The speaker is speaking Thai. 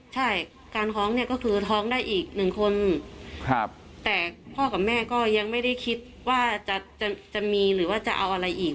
ใช่การท้องเนี่ยก็คือท้องได้อีกหนึ่งคนแต่พ่อกับแม่ก็ยังไม่ได้คิดว่าจะมีหรือว่าจะเอาอะไรอีก